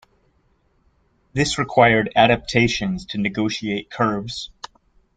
This required adaptations to negotiate curves.